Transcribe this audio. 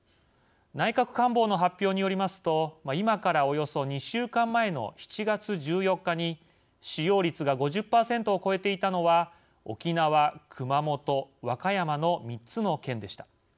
内閣官房の発表によりますと今からおよそ２週間前の７月１４日に使用率が５０％を超えていたのは沖縄熊本和歌山の３つの県でした。